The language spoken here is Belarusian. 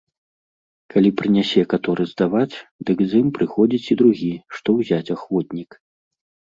Калі прынясе каторы здаваць, дык з ім прыходзіць і другі, што ўзяць ахвотнік.